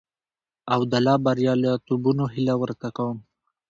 او د لا برياليتوبونو هيله ورته کوم.